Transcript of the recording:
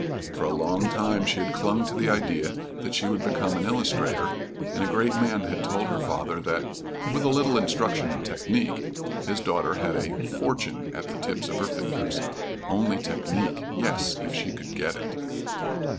For a long time she had clung to the idea that she would become an illustrator, and a great man had told her father that "with a little instruction in technique" his daughter had "a fortune at the tips of her fingers." Only technique! Yes, if she could get it!